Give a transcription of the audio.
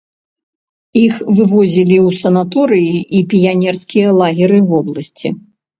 Іх вывозілі ў санаторыі і піянерскія лагеры вобласці.